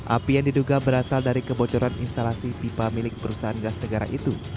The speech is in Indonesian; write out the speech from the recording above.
api yang diduga berasal dari kebocoran instalasi pipa milik perusahaan gas negara itu